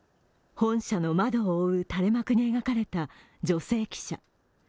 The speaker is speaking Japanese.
本社の窓を覆う垂れ幕に描かれた女性記者。